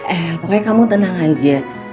eh pokoknya kamu tenang aja